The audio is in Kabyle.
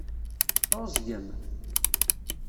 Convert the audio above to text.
Tɛeẓgem?